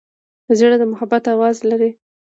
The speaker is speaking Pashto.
زړه د محبت آواز لري.